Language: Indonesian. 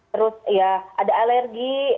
terus ya ada alergi